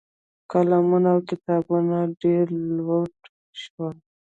قلمونه او کتابونه دې لوټ شول.